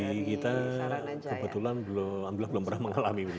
di kita kebetulan belum alhamdulillah belum pernah mengalami ini